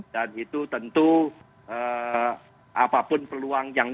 dan itu tentu apapun peluang yang